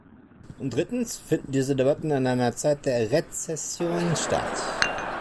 Und drittens finden diese Debatten in einer Zeit der Rezession statt.